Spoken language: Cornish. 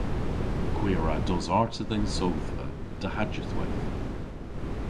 Hwi a wra dos arta dhe'n sodhva dohajydhweyth.